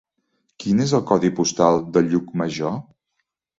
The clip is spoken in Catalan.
Quin és el codi postal de Llucmajor?